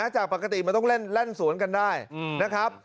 จากปกติมันต้องเล่นสวนกันได้นะครับ